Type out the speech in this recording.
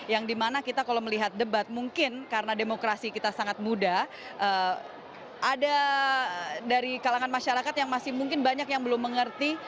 yang dimana kita kalau melihat debat mungkin karena demokrasi kita sangat muda ada dari kalangan masyarakat yang masih mungkin banyak yang belum mengerti